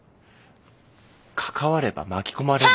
「関われば巻き込まれ」